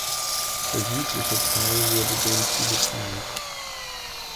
Der südliche Teil wurde dem zugeteilt.